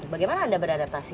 bagaimana anda beradaptasi